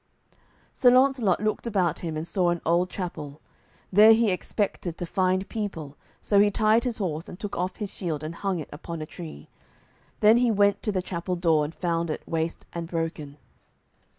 Sir Launcelot looked about him, and saw an old chapel. There he expected to find people, so he tied his horse, and took off his shield and hung it upon a tree. Then he went to the chapel door, and found it waste and broken.